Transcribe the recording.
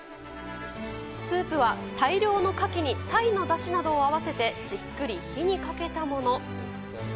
スープは大量のカキにタイのだしなどを合わせて、じっくり火にかけたもの。